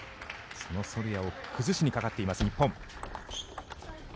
そのソルヤを崩しにかかっています、日本。